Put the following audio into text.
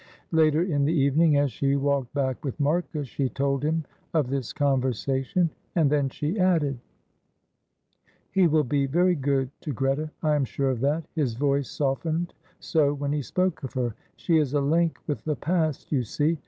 Later in the evening, as she walked back with Marcus, she told him of this conversation, and then she added, "He will be very good to Greta, I am sure of that; his voice softened so when he spoke of her. She is a link with the past, you see.